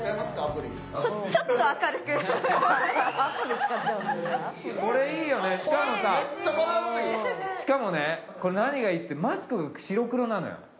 しかもねこれ何がいいってマスクが白黒なのよ。